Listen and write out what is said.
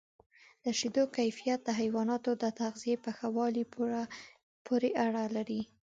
د شیدو کیفیت د حیواناتو د تغذیې په ښه والي پورې اړه لري.